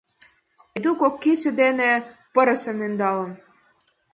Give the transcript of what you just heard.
Эду кок кидше дене пырысым ӧндалын